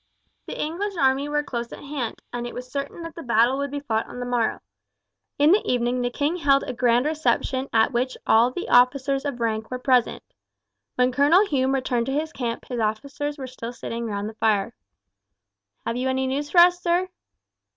The English army were close at hand, and it was certain that the battle would be fought on the morrow. In the evening the king held a grand reception at which all the officers of rank were present. When Colonel Hume returned to his camp his officers were still sitting round the fire. "Have you any news for us, sir?"